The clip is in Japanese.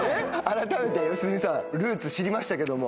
改めて良純さんルーツ知りましたけども。